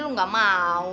lo gak mau